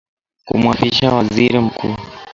kumwapisha Waziri Mkuu